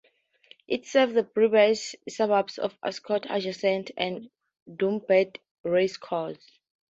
It serves the Brisbane suburb of Ascot adjacent to Doomben Racecourse.